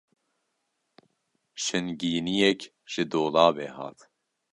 Şingîniyek ji dolabê hat.